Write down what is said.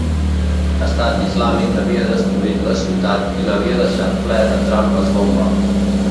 Estat Islàmic havia destruït la ciutat i l'havia deixat ple de trampes bomba.